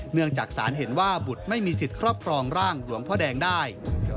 เนื่องจากศาลเห็นว่าบุตรไม่มีสิทธิ์ครอบครองร่างหลวงพ่อแดงได้